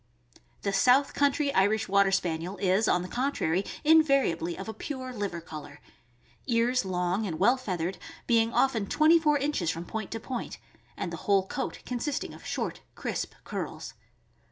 The south country Irish Water Spaniel is, on the con trary, invariably of a pure liver color. Ears long and well feathered, being often twenty four inches from point to point, and the whole coat consisting of short, crisp curls.